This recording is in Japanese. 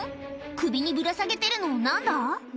首にぶら下げてるの何だ？